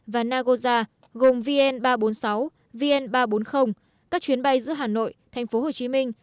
và nagoya gồm vn ba trăm bốn mươi sáu vn ba trăm bốn mươi các chuyến bay giữa hà nội thành phố hồ chí minh